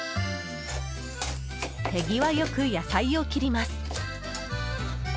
手際よく野菜を切ります。